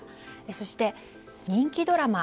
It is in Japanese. そして、人気ドラマ。